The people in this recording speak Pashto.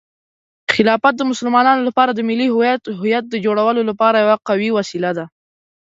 خلافت د مسلمانانو لپاره د ملي هویت د جوړولو لپاره یوه قوي وسیله ده.